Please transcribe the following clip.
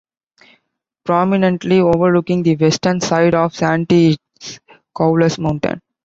Prominently overlooking the western side of Santee is Cowles Mountain.